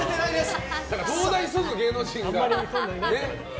東大卒の芸能人が。